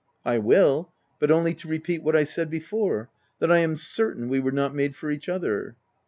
a I will, but only to repeat what I said be fore, that I am certain we were not made for each other."